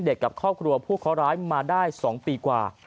พี่เด็กกับครอบครัวผู้เค้าร้ายมาได้๒ปีกว่า